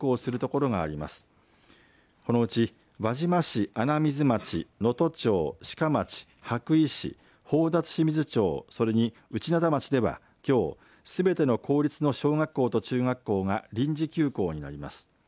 このうち輪島市穴水町、能登町、志賀町羽咋市、宝達志水町それに内灘町では、きょうすべての公立の小学校と中学校が臨時休校になります。